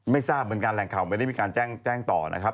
ทราบเหมือนกันแหล่งข่าวไม่ได้มีการแจ้งต่อนะครับ